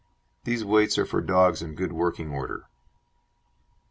These weights are for dogs in good working order.